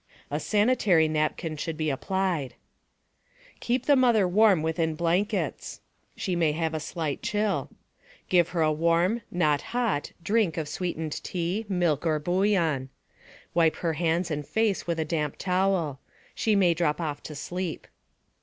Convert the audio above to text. A sanitary napkin should be applied. Keep the mother warm with blankets. She may have a slight chill. Give her a warm (not hot) drink of sweetened tea, milk, or boullion. Wipe her hands and face with a damp towel. She may drop off to sleep.